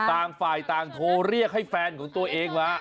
ต่างฝ่ายต่างโทรเรียกให้แฟนของตัวเองมา